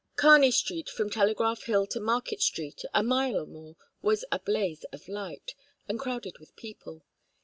Kearney Street from Telegraph Hill to Market Street, a mile or more, was a blaze of light, and crowded with people.